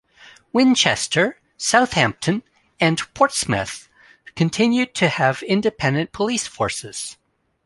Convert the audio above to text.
Winchester, Southampton and Portsmouth continued to have independent police forces.